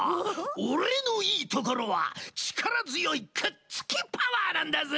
オレのいいところはちからづよいくっつきパワーなんだぜ！